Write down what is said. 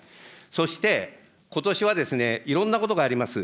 そして、ことしはですね、いろんなことがあります。